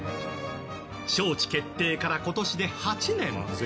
招致決定から今年で８年。